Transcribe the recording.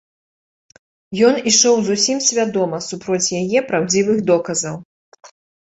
Ён ішоў зусім свядома супроць яе праўдзівых доказаў.